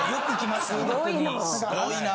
すごいな。